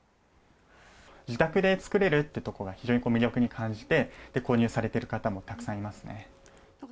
自宅で作れるってところを非常に魅力に感じて、購入されている方もたくさんいますね。